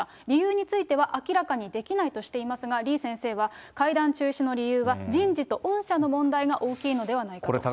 理由については、明らかにできないとしていますが、李先生は、会談中止の理由は人事と恩赦の問題が大きいのではないかと。